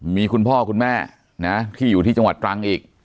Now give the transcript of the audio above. มีคุณพ่อคุณแม่นะที่อยู่ที่จังหวัดตรังอีก